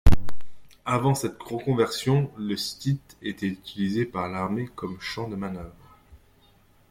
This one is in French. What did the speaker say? Avant cette reconversion, le site était utilisé par l'armée comme champ de manœuvres.